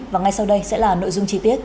và ngay sau đây sẽ là nội dung chi tiết